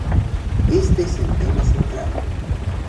Este es el tema central.